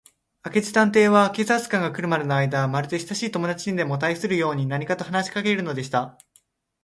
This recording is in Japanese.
明智探偵は、警官隊が来るまでのあいだを、まるでしたしい友だちにでもたいするように、何かと話しかけるのでした。